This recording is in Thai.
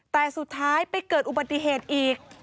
แต่สุดท้ายไปเกิดอุบัติเหตุอีก